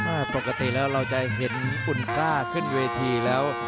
ปกติแล้วเราจะเห็นคุณกล้าขึ้นเวทีแล้ว